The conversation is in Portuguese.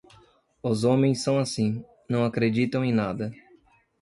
Os homens são assim, não acreditam em nada.